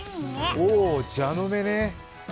おー、蛇の目ね。